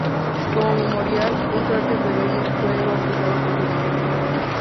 Como memorial, un cráter de Venus fue bautizado con su nombre.